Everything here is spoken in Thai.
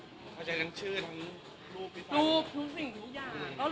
เพราะฉะนั้นชื่อทั้งรูปรูปรูปสิ่งทุกอย่าง